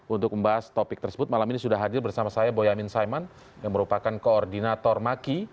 untuk membahas topik tersebut malam ini sudah hadir bersama saya boyamin saiman yang merupakan koordinator maki